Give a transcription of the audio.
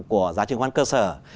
của giá trường khoán cơ sở